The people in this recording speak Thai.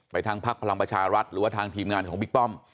ทางพักพลังประชารัฐหรือว่าทางทีมงานของบิ๊กป้อม